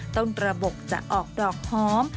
ต้นระบกจะออกดอกหอม